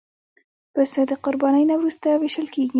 پسه د قربانۍ نه وروسته وېشل کېږي.